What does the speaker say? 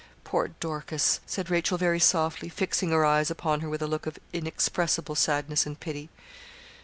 'Poor Dorcas,' said Rachel, very softly, fixing her eyes upon her with a look of inexpressible sadness and pity.